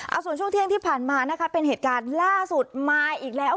เอาส่วนช่วงเที่ยงที่ผ่านมานะคะเป็นเหตุการณ์ล่าสุดมาอีกแล้ว